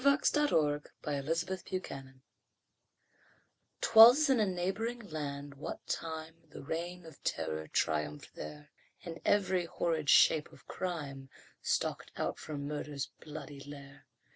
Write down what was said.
A TALE OF THE REIGN OF TERROR 'Twas in a neighboring land what time The Reign of Terror triumphed there, And every horrid shape of crime Stalked out from murder's bloody lair.